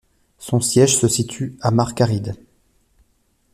Son siège se situe à Markaryd.